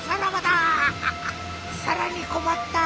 さらにこまった。